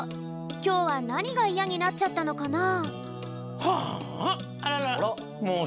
きょうはなにがイヤになっちゃったのかな？